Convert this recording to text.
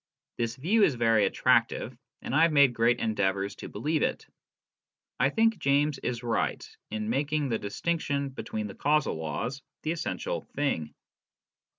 This view is very attractive, and I have made great endeavours to believe it. I think James is right in making the distinction between the causal laws the essential thing.